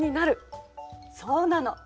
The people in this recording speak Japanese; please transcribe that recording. そうなの。